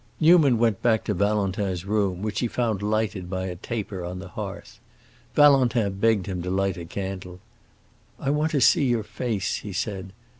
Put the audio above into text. Newman went back to Valentin's room, which he found lighted by a taper on the hearth. Valentin begged him to light a candle. "I want to see your face," he said.